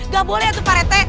gak boleh tuh pak rete